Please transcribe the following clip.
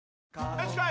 よしこい！